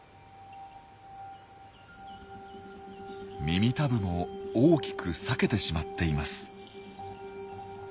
耳たぶも大きく裂けてしまっています。